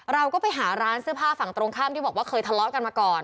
เราก็ไปหาร้านเสื้อผ้าฝั่งตรงข้ามที่บอกว่าเคยทะเลาะกันมาก่อน